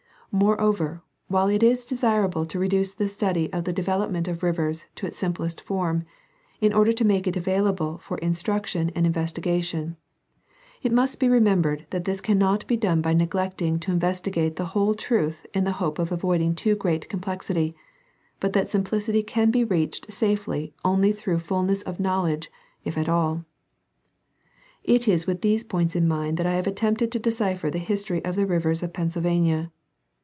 Moreover, while it is desirable to reduce the study of the development of rivers to its simplest form, in order to make it available for in struction and investigation, it must be remembered that this can not be done by neglecting to investigate the whole truth in the hope of avoiding too great complexity, but that simplicity can be reached safely only through fullness of knowledge, if at all. It is with these points in mind that I have attempted to decipher the history of the rivers of Pennsylvania.